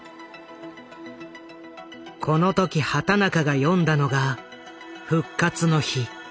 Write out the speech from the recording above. この時畑中が読んだのが「復活の日」。